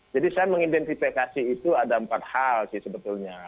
jadi saya mengidentifikasi itu ada empat hal sih sebetulnya